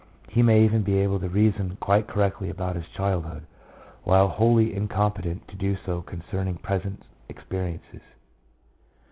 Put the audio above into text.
He may even be able to reason quite correctly about his childhood, while wholly incom petent to do so concerning present experiences.